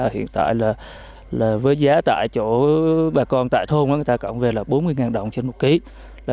hiện tại là với giá tại chỗ bà con tại thôn người ta cộng về là bốn mươi đồng trên một ký